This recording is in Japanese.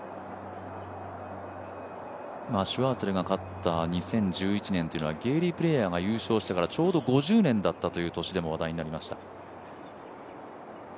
シュワーツェルが勝った２０１１年というのはゲーリー・プレーヤーが優勝してからちょうど５０年だったという年でも話題になりました。